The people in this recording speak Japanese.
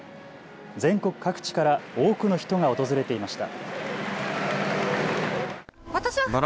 全国各地から多くの人が訪れていました。